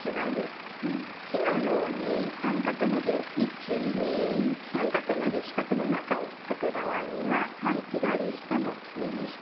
「日」のように３画目で１２３画目で四角の中を書く場合には左下も右下も下に出します。